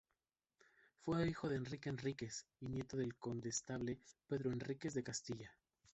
Fue hijo de Enrique Enríquez y nieto del condestable Pedro Enríquez de Castilla.